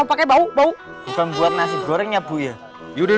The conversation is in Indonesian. pakai pakai bau bau bukan buat nasi gorengnya buya yudh